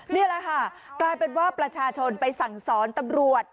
นี่แหละค่ะกลายเป็นว่าประชาชนไปสั่งสอนตำรวจ